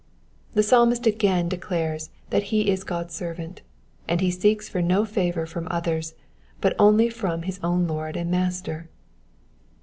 The Psalmist again declares that he is God's servant, and he seeks for no favour from others, but only from his own Lord and Master.